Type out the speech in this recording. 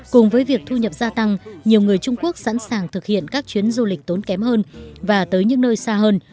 cùng với việc thu nhập gia tăng nhiều người trung quốc sẵn sàng thực hiện các chuyến du lịch tốn kém hơn và tới những nơi xa hơn